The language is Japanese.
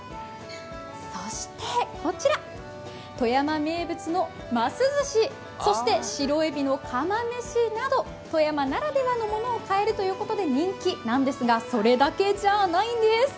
そしてこちら、富山名物のます寿司、そして、白えびの釜飯など、買えるということで人気なんですがそれだけじゃあないんです。